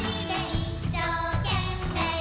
「いっしょうけんめい